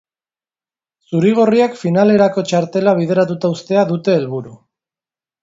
Zuri-gorriek finalerako txartela bideratuta uztea dute helburu.